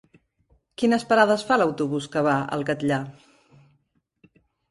Quines parades fa l'autobús que va al Catllar?